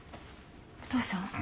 お父さん？